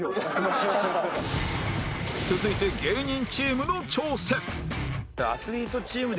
続いて芸人チームの挑戦